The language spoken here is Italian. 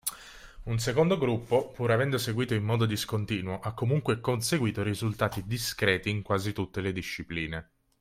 Un secondo gruppo, pur avendo seguito in modo discontinuo, ha comunque conseguito risultati discreti in quasi tutte le discipline.